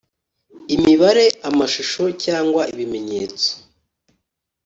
imibare amashusho cyangwa ibimenyetso